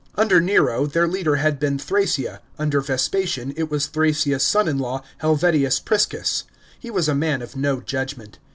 Under Nero, their leader had been Thrasea, under Vespasian, it was Thrasea's son in law Helvimus Priscus.* He was a man of no judgment.